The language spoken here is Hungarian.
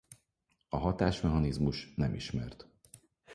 A hatásmechanizmus nem ismert.